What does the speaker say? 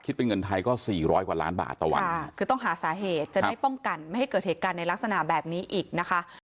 เป็นเงินไทยก็๔๐๐กว่าล้านบาทต่อวันคือต้องหาสาเหตุจะได้ป้องกันไม่ให้เกิดเหตุการณ์ในลักษณะแบบนี้อีกนะคะ